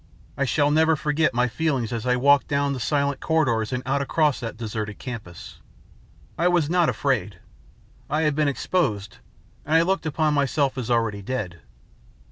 I shall never forget my feelings as I walked down the silent corridors and out across that deserted campus. I was not afraid. I had been exposed, and I looked upon myself as already dead.